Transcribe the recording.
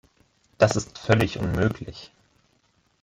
Das ist völlig unmöglich.